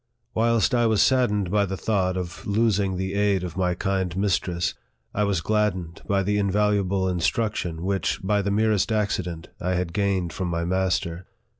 Whilst I was saddened by the thought of losing the aid of my kind mistress, I was gladdened by the invaluable instruction which, by the merest accident, I had gained from my master.